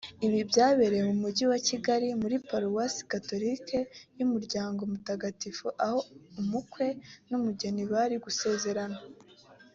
Ibi byabereye mu Mujyi wa Kigali muri Paruwasi Gatolika y’Umuryango Mutagatifu aho umukwe n’umugeni bari gusezerana